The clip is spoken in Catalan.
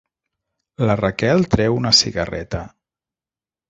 La Raquel treu una cigarreta.